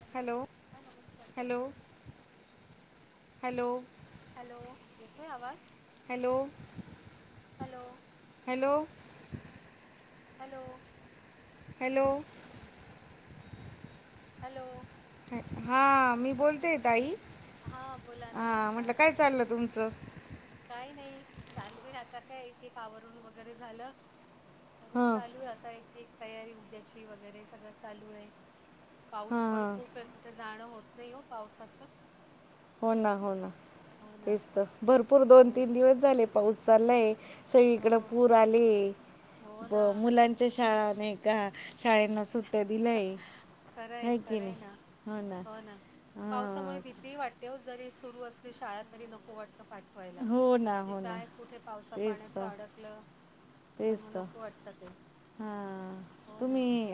Hello, हां नमस्कार ताई. हॅलो हॅलो हॅलो, येतोय आवाज? Hello, hello, hello, hello, hello, hello, हां, मी बोलतेय ताई. हां बोला हां म्हटलं नमस्कार काय चाललं तुमचं? काही नाही, चालवेल आता काय एक एक आवरून वगैरे झालं. तर हां चालू आहे आता एक एक तयारी उद्याची वगैरे सगळं चालू आहे. हां पाऊस पण हां खूप हय. कुठे जाणं होत नाही हो पावसाचं. हो ना, हो ना हो ना तेच तर भरपूर दोन हो तीन दिवस झाले पाऊस चाललाय. हो सगळीकडं पूर आले. हो ब ना मुलांच्या शाळा ना का शाळेना सुट्ट दिलंय? खरंय, खरंय ना, हो ना पावसामुळे हां भी ती वाटतेे वो, जरी सुरू असली शाळा तरी नको वाटतं. पाठवायला, हो ना की हो ना काय कुठे पावसा तेच पाण्याच तर अडकलं तर मग नको वाटतं ते. हां हो ना. तुम्ही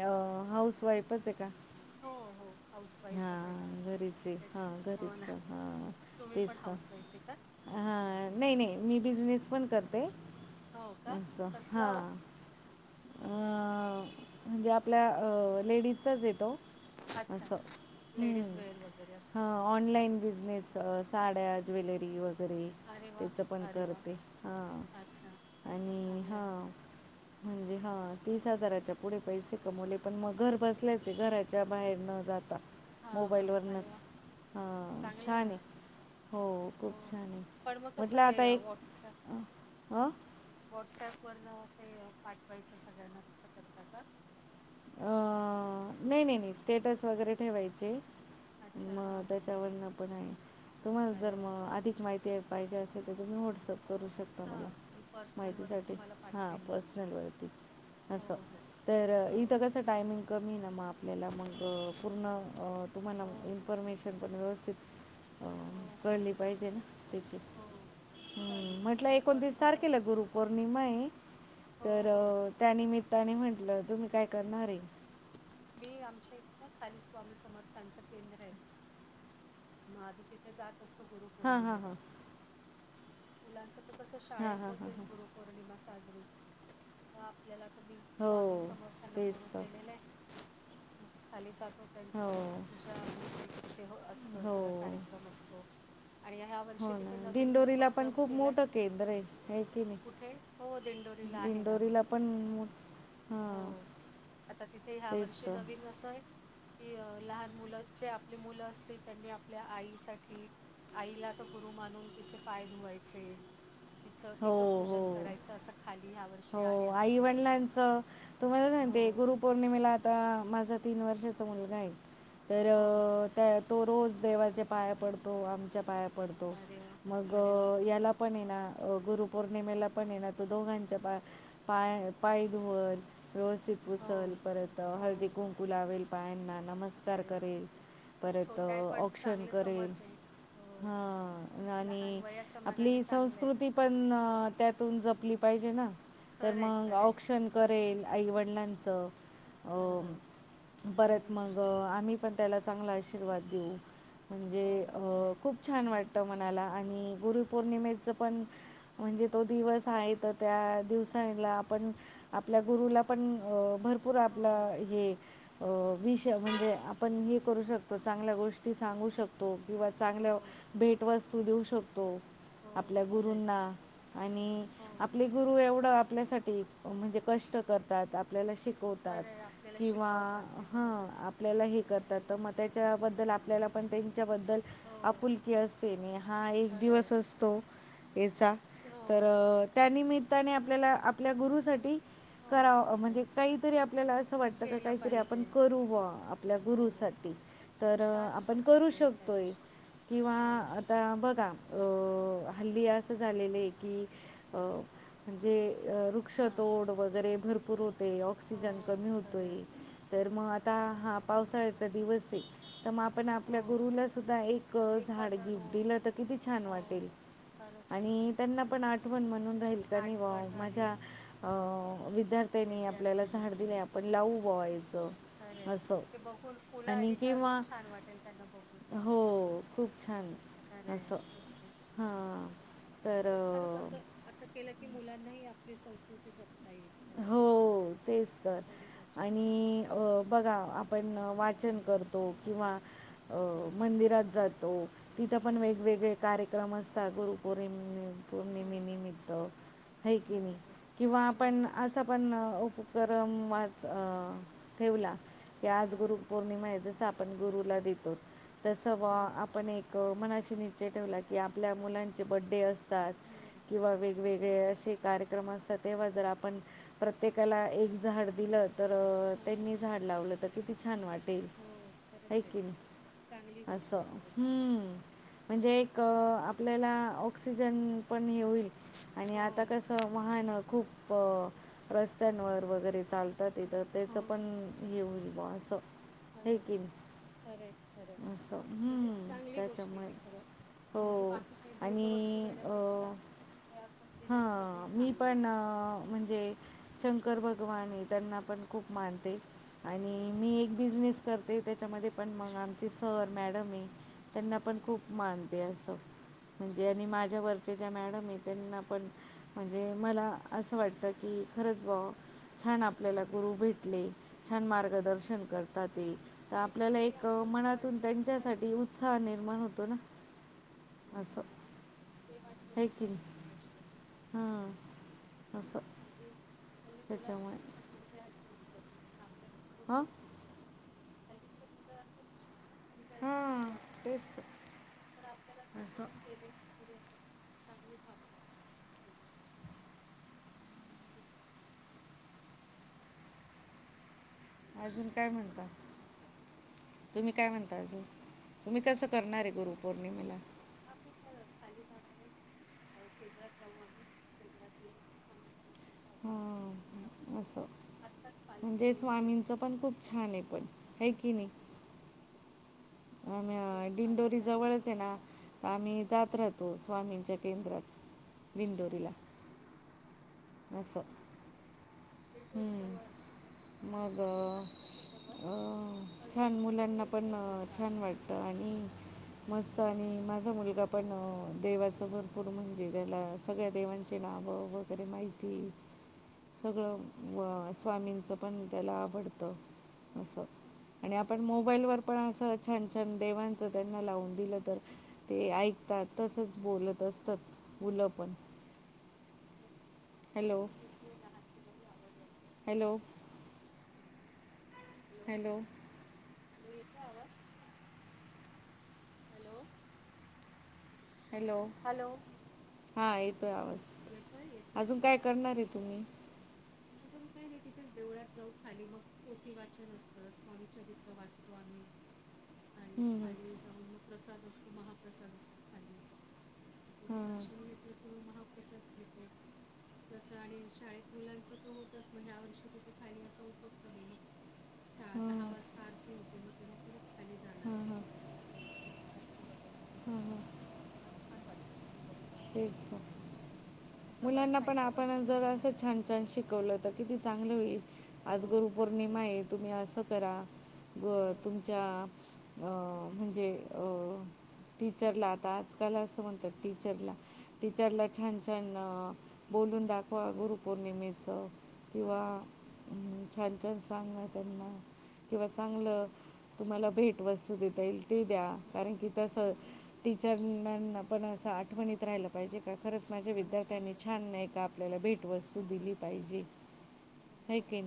हाऊसवाईफच हे का? हो, हो. हाऊसवाईफच हय. हां घरीच आहे त्याच, हां हो घरीच ना. हां तुम्ही तेच पण तर हाऊस वाईफ आहे का? हां, नाही नाही मी बिझनेस पण करते. हो का? कसला हो? अ म्हणजे आपल्या अ लेडीजचाच येतो. अच्छा, असं अच्छा. हम्म, लेडीज वेअर वगैरे असं. हं ऑनलाईन बिझनेस साड्या, ज्वेलरी वगै गैरे अरे वाह! त्याचं पण अरे वाह! करते हां अच्छा. अरे वाह! आणि चांगलं आहे. हां. म्हणजे हा तीस हजाराच्या पुढे पैसे कमवले पण मग घर बसल्याचे घराच्या बाहेर न जाता. हां, हां. अरे वाह! मोबाईलवरनचं आ चांगलं आहे छान हे. ना. हो, खूप हो. छान हे. पण मग कसं म्हटलं ते आता एक अ व्हॉट्सअपवरन ते पाठवायचं सगळ्यांना तसं करता का? अ नाही, नाही, नाही स्टेटस वगैरे ठेवायचे अच्छा, मग हां, त्याच्यावरन पण आहे तुम्हाला जर अरे वाह! मग अधिक माहिती ते पाहिजे असेल त्याच्यातून व्हॉट्सअप करू शकता. मला हां, मी पर्सनलवर माहितीसाठी तुम्हाला हा पाठवेन मग. पर्सनल वरती. हो, असं हो. तर हो, इथं क तसं टायमिंग कमी आहे ना मग आपल्याला मग पूर्ण तुम्हाला हो, मग इन्फॉर्मेशन पण व्यवस्थित [inaudible] अ हो, हो, कळली पाहिजे ना त्याची हो. चालेल मी म्हटलं तुम्हाला एकोणतीस पर्सनलवर तारखेला गुरु पौर्णिमाये हो, तर हो. त्यानिमित्ताने म्हटलं तुम्ही काय करणार ये मी आमच्या इथे ना खाली स्वामी समर्थांचं केंद्र आहे मग आम्ही तिथे जात असतो गुरु हां हां पौर्णिमेला हां मुलांच त कस हां शाळेत हां हां होतेच हां गरु पौर्णिमा साजरी व आपल्याला तर आता मी हो स्वामी समर्थांना तेच गुरु तर केलेल आहे मग खाली जातो त्यांच हो पूजा असत हो सगळ कार्यक्रम असतो आणि ह्या या वर्षी हो ना तिथे नवीन दिंडोरीला पण उपक्रम खूप केलाय मोठं केंद्र आहे है की नाही कुठे? हो दिंडोरीला आहे ना हो दिंडोरीला पण मग हो हं आता तिथे ह्या वर्षी नवीन अस ये कि लहान मुलं जे आपली मुलं असतील त्यांनी आपल्या आईसाठी आईला आता गुरु मानून तिचे पाय धुवायचे तिचं हो, तिच पूजन हो. करायचं असं खाली ह्या वर्षी आहे हो, आमच्या इथे तुम्हाला हो सांगते गुरू पौर्णिमेला आता माझा तीन वर्षाचा मुलगा आहे तर हो त तो रोज देवाच्या पाया पडतो आमच्या पाया पडतो अरे वाह! मग अरे वाह! याला पण ये ना गुरुपौर्णिमेला पण ये ना तो दोघांच्या पाया पाय पाय धुवल व्यवस्थित हो, पुसल परत हो. हळदी कुंकू लावेल पायांना नमस्कार अरे वाह! करेल परत छोटा आहे पण औक्षण चांगली करेल समज आहे. हा आणि त्याच्या मानाने चांगलंय ती पण त्यातून जपली पाहिजे ना तर खरं आहे, मग खरं आहे. औक्षण करेल आईवडिलांचं हो, अ चांगली परत मग गोष्ट आहे. आम्ही पण त्याला चांगला आशीर्वाद देऊ म्हणजे हो अ, खरं य खूप छान वाटतं मनाला आणि गुरुपौर्णिमेचं पण म्हणजे तो दिवस आहे तर त्या दिवसाला आपण आपल्या गुरुला पण अ भरपूर आपला हो, हे अ विष म्हणजे आपण हे करू शकतो चांगल्या गोष्टी सांगू शकतो किंवा हो, चांगलं भेटवस्तू देऊ शकतो हो, आपल्या खरं आहे. गुरूंना आणि हो, आपली गुरु एवढं आपल्यासाठी म्हणजे कष्ट करतात आपल्याला शिक वतात खरं आहे. आपल्याला किंवा शिकवतात ते ह बरोबर. आपल्याला हे करतात तर मग त्याच्याबद्दल आपल्याला पण त्यांच्याबद्दल हो, आपुलकी असते नी हा एक खरं आहे. दिवस असतो याचा हो, तर त्यानमित्ताने आपल्याला आपल्या गुरुसाठी हो, करा खरं आहे. म्हणजे काहीतरी आपल्याला असं वाटतं का केलं काहीतरी आपण पाहिजे. करू बुआ आपल्या हो, गुरुसाठी तर छानच आपण असतं करू ते त्या शकतोय दिवशी. किंवा हो, आता बघा अ हल्ली अस झालेलं कि अ म्हणजे रू हां. वृक्षतोड वगैरे भरपूर होते हो, ऑक्सिजन कमी खरं होतोय आहे. तर म आता हो, हा पावसाळ्याचा दिवस ये तर मग आपण हो. आपल्या गुरुला सुद्धा एक झाड एखादा गिफ्ट रोग दिलं तर किती छान हो, वाटेल खरंच आहे. आणि त्यांना पण म्हणजे आठवण म्हणून राहील का नाही वा आठवण राहील माझ्या विद्यार्थी त्यानी आपल्याला विद्यार्थ्यांनी झाड दिले आपण लावू बॉ याचं खरे असं खरं ते बघून फुलं आणि आली का अजून किंवा छान वाटेल त्यांना बघून हो खूप छान अरे, असं [unintelligible] हां. तर जे खरंच अ, असं असं केलं की, मुलांनाही आपली संस्कृती जपता येईल. खरं आहे, हो, तेच तर खरी गोष्ट आहे. आणि अ बघा, आपण वाचन करतो किंवा अ हो, मंदिरात जातो, तिथं पण हो, वेगवेगळे कार्यक्रम असत [unintelligible] हो. पौर्णिमेनिमित्त है की नाही बरोबर आहे. किंवा हो, आपण असा पण उपक्रमच ठेवला. की, आज हां. गुरु पौर्णिमा आहे. जस आपण गुरुला देतो. तस व हो, आपण एक मनाशी निश्चय ठेवला की, आपल्या मुलांचे बड्डे असतात हो. किंवा वे वेगवेगळे असे कार्यक्रम असतात, तेव्हा जर आपण प्रत्येकाला एक झाड दिलं तर हां. त्यांनी झाड लावलं तर किती छान वाट ते, हो, खरंच आहे. हैकिणी चांगली गोष्ट असं. आहे खरं ती. म्हणजे एक आपल्याला ऑक्सिजन पण ये होईल, आणि हो, आता कसं वाहनं खूप रस्त्यांवर वगैरे चालत तिथं हो. त्याचं पण हे होईल बो असं. हे की नाही? खरय खरय, असं म्हणजे हम्म. चांगली गोष्ट आहे त्याच्यामुळे ती खरं. हो म्हणजे बाकी काही आणि भेटवस्तू देण्यापेक्षा अ, हे असंच दिलेलं कधीही हां, मी चांगलं. पण अ, शंकर भगवान त्यांना पण खूप मानते आणि का? मी एक बिझनेस करते. त्याच्यामध्ये पण मग आमची सर, मॅडमे त्यांना पण हा, हो, खूप मानते असं. हो. म्हणजे आणि माझ्यावरचे ज्या मॅडम आहे, त्यांना पण म्हणजे मला असं वाटत की, खरंच बुआ छान आपल्याला गुरु भेटले. छान हो. मार्गदर्शन करतात. तर ते आपल्याला ते एक आपुलकी मनातून वाटणं सुद्धा एक त्यांच्यासाठी उत्साह हो, निर्माण होतो ना. हो, असं. खरय. ते वाटन सुद्धा मोठी गोष्ट आहे. हम्म, असं. नाहीतर हल्ली हल्ली, मुलांना त्याच्यामुळे शिक्षक म्हणजे हल्ली नको असते. हा. हल्लीचे मुलं असेल शिक्षक म्हणजे अस हां वाटत तेच मुलांना, तर पण आपल्याला अस असं गुरू केले पुढे असं चांगली भावना वाटते. असं केले ज [unintelligible] अजून काय हॅलो म्हणता? तुम्ही काय म्हणता अजून? तुम्ही मी कसं काय ते करणार आहे बस गुरुपौर्णिमेला? [unintelligible] खाली जाणार आहे. अ केंद्रात जाऊ आम्ही. केंद्रातील स्वामी [unintelligible] त्याचा अभिषेक असतो हां सकाळपासून. असं आत्ताच पालखी म्हणजे येऊन गेली. स्वामींचं पण खूप छान आहे पण. आहे की नाही. हो हो हो तिथे अन् पालखी दिंडोरी आली जवळच होती आहे ना. आत्ता आम्ही हां जात राहतो. स्वामींच्या केंद्रात अच्छा अच्छा दिंडोरीला. अच्छा असं. बरं चांगलं दिंडोरी हम्म, जवळ असेल तर काय आम मग आम्हाला आहे तसं जवळ अ पण छान असं मुलांना नेहमी पण नाही होत छान जाणं असं वाटतं तिथे आणि मस्त हो, हो, आणि माझा मुलगा पण देवाच भरपूर म्हणजे त्याला सगळ्या देवांचे नावं ब बरे माहिती हो. अरे सगळं वा. व स्वामींचं पण त्याला आवडतं अस हो का आणि आपण करतो का मोबाईल ते वर पण असं छान छान देवांचं त्यांना लावून दिलं तर ते हो हो ऐकतात तसच बोलत असतात मुलं पण बर हॅलो माझी मुलगी हे लहान तिला ही आवड आहे असं हॅलो स्वामी समर्थांच प्र हॅलो हॅलो येतोय आवाज हॅलो? हॅलो! हॅलो! हा येतोय आवाज, येतोय येतोय अजून काय करणार आहे तुम्ही? अजून काही नाही तिथेच देवळात जाऊ खाली मग पोथी वाचन असतं स्वामीचरित्र वाचतो आम्ही [inaudible] आणि हम्म, खाली जाऊन मग प्रसाद असतो महाप्रसाद असतो खाली तिथ हम्म. हा, दर्शन घेतलं किंवा महाप्रसाद घेतला तस आणि शाळेत मुलांच होतच मग ह्या वर्षी तिथे खाली असा उपक्रम आहे सा मग हा. दहा वाजता आरती ते मग तेव्हा परत खाली जाणार आरती वगैरे केली का मग? ह छान वाटतं असं दिवसभर. हा तेच मस्त इथे जवळ मुलांना पण साईबाबांचं आपण पण जरा असं मंदिर आहे छान छान शिकवलं तर किती चांगलं होईल हो आज गुरू खरंच पौर्णिमा आहे तुम्ही असं करा हो व तुमच्या? अ म्हणजे अ टीचरला आता आजकाल असं म्हणतात हो टीचरला टीचरला छान छान बोलून हो दाखवा गुरु पौर्णिमेचं हो किंवा छान छान सांग आहे त्यांना किंवा तेच ना चांगलं तुम्हाला भेट वस्तू देता येईल. ती द्या हो कारण की हो तसं टीचरनाना पण असं आठवणीत राहिलं पाहिजे का खरंच माझ्या आठवणीत विद्यार्थ्यांनी राहिलं छान पाहिजे नाही का आपल्याला भेटवस्तू हो दिली पाहिजे. है बरोबर, की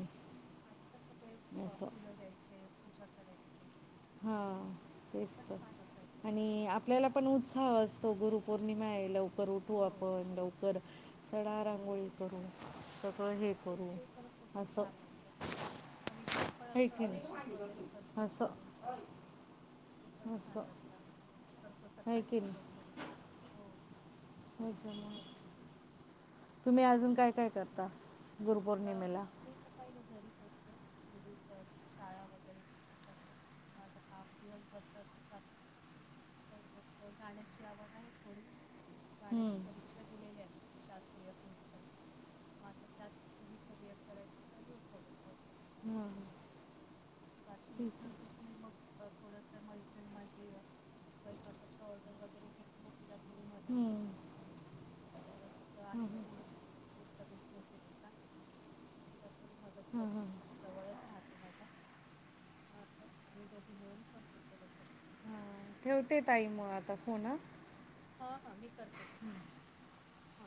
आधी कस ते नाही असं फुलं द्यायचे पूजा करायचे हां तर ते तेच पण छान असायचं तर असं आणि आपल्याला आपण उत्साह असतो गुरुपौर्णिमा आहे लवकर उठू हो आपण लवकर सडा हो रांंगोळी करु हो ते ते तर खूपच असं छान वाटतं आम्ही घरी आपण है असं की नाही अभिषेक वगैरे करतो असं स्वामींचा ते पण छान असं वाटतं. आ् हा करतो है सकाळी की लवकर हो. रोज आहे. तुम्ही अजून काय काय करता? अ मी गुरुपौर्णिमेला मी तर काही नाही घरीच असते मुलीच असतं शाळा वगैरे त्यातच असतं माझं काम दिवसभर तस जातं. तर मग गाण्याची आवड आहे थोडी हं, गाण्याच्या परीक्षा दिलेल्या आहेत शास्त्रीय संगीताच्या म आ्रता त्यात पुढे करिअर करायंच चालू आहे थोडसं असं. हं. ठीक आहे [unintelligible] की मग थोडस मैत्रिणी माझी स्वयंपाकाची ऑर्डर वगैरे घेते मग तिला थोडी मदत हम्म. करते थोडं तिचं आहे पूर फूडचा बिझनेस आहे तिचा, तर तिला थोडी मदत हां हां करते. हां जवळच राहते माझ्या, मग असं आम्ही दोघी मिळून करतो थोडंस. ह ठेवते ताई म आता फोन हा. ह ह मी करते तुम्हाला. हां